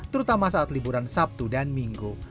terutama saat liburan sabtu dan minggu